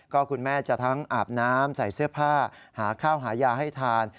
ก็คุณแม่จะทั้งอาบน้ำใส่เสื้อผ้าหาข้าวหายาให้ทาน